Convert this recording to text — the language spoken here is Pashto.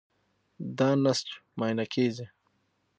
دا نسج معاینه کېږي.